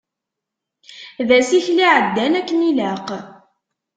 D asikel iεeddan akken ilaq.